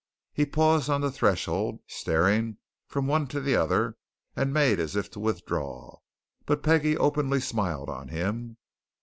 He paused on the threshold, staring from one to the other, and made as if to withdraw. But Peggie openly smiled on him.